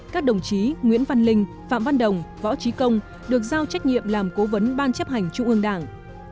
các đồng chí nguyễn văn linh phạm văn đồng võ trí công được giao trách nhiệm làm cố vấn ban chấp hành trung ương đảng